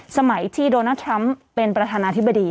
สมัยที่โดนัลดทรัมป์เป็นประธานาธิบดี